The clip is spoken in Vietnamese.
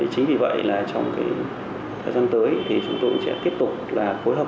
chính vì vậy là trong cái thời gian tới thì chúng tôi sẽ tiếp tục là phối hợp